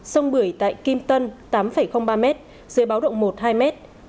sông bưởi tại kim tân tám ba m dưới báo động một hai m